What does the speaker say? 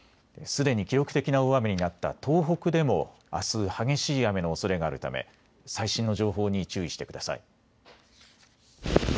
すでに記録的な大雨になった東北でもあす激しい雨のおそれがあるため最新の情報に注意してください。